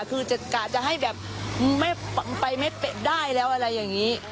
กะจะให้แบบไปไม่ได้แล้วอะไรอย่างนี้